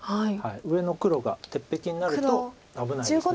上の黒が鉄壁になると危ないです。